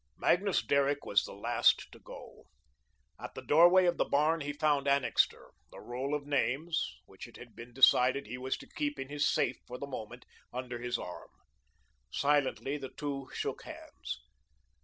Magnus Derrick was the last to go. At the doorway of the barn he found Annixter, the roll of names which it had been decided he was to keep in his safe for the moment under his arm. Silently the two shook hands.